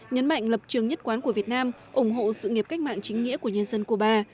nhấn mạnh lập trường nhất quán của việt nam ủng hộ sự nghiệp cách mạng chính nghĩa của nhân dân cuba